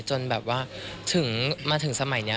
จนแบบว่ามาถึงสมัยนี้